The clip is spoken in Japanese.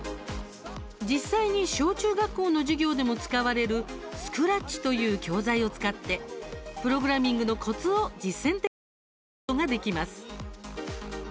実際に小中学校の授業でも使われる「スクラッチ」という教材を使ってプログラミングのコツを実践的に学ぶことができます。